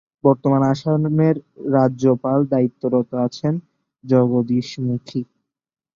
বর্তমানে আসামের রাজ্যপাল দায়িত্বরত আছেন জগদীশ মুখী।